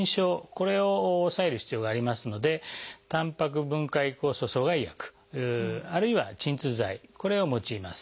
これを抑える必要がありますのでたんぱく分解酵素阻害薬あるいは鎮痛剤これを用います。